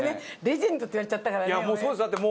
レジェンドって言われちゃったからね。